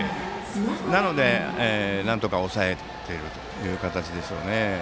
なので、なんとか抑えているという形でしょうね。